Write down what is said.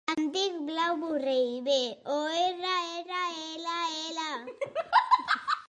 Em dic Blau Borrell: be, o, erra, erra, e, ela, ela.